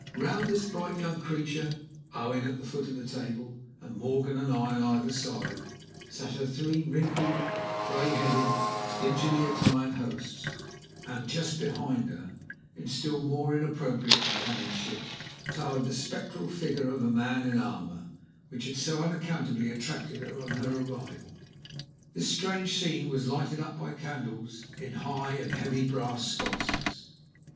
Round this bright young creature (Owen, at the foot of the table, and Morgan and I on either side) sat her three wrinkled, gray headed, dingily attired hosts, and just behind her, in still more inappropriate companionship, towered the spectral figure of the man in armor, which had so unaccountably attracted her on her arrival. This strange scene was lighted up by candles in high and heavy brass sconces.